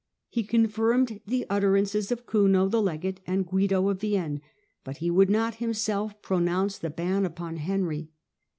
He confirmed the utterances of Kuno the legate, and Guide of Vienne, but he would not liimself pronounce the ban upon Henry.